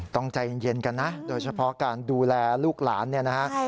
ใจเย็นกันนะโดยเฉพาะการดูแลลูกหลานเนี่ยนะฮะ